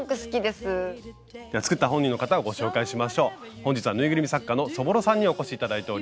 本日はぬいぐるみ作家のそぼろさんにお越し頂いております。